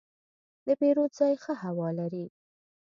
د پیرود ځای ښه هوا لري.